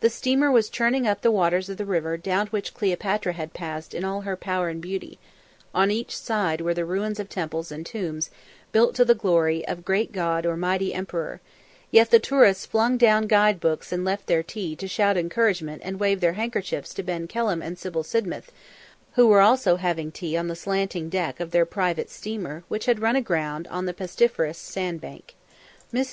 The steamer was churning up the waters of the river down which Cleopatra had passed in all her power and beauty; on each side were the ruins of temples and tombs built to the glory of great god or mighty emperor; yet the tourists flung down guide books and left their tea to shout encouragement and wave their handkerchiefs to Ben Kelham and Sybil Sidmouth, who were also having tea on the slanting deck of their private steamer, which had run aground on the pestiferous sand bank. Mrs.